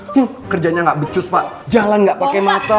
nuh kerjanya gak becus pak jalan gak pake mata